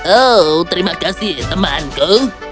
oh terima kasih temanku